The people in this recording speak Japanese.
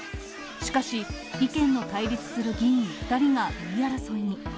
しかし、意見の対立する議員２人が言い争いに。